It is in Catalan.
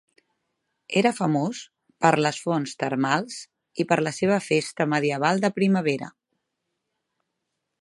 Era famós per les fonts termals i per la seva festa medieval de primavera.